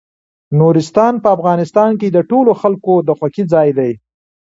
نورستان په افغانستان کې د ټولو خلکو د خوښې ځای دی.